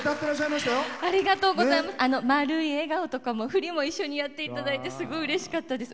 「まるい笑顔」とかも振りも一緒にやっていただいてすごいうれしかったです。